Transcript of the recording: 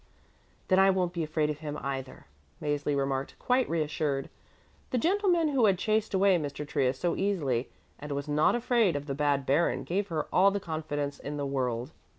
"Then I won't be afraid of him either," Mäzli remarked, quite reassured. The gentleman who had chased away Mr. Trius so easily and was not afraid of the bad baron gave her all the confidence in the world.